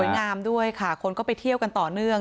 งามด้วยค่ะคนก็ไปเที่ยวกันต่อเนื่อง